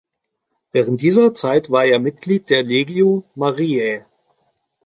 Während dieser Zeit war er Mitglied der Legio Mariae.